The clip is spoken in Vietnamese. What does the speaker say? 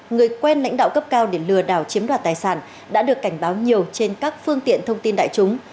người quen lãnh đạo cấp cao để lừa đảo chiếm đoạt tài sản đã được cảnh báo nhiều trên các phương tiện thông tin đại chúng